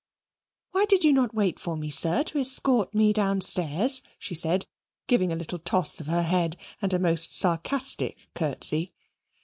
"Why did you not wait for me, sir, to escort me downstairs?" she said, giving a little toss of her head and a most sarcastic curtsey.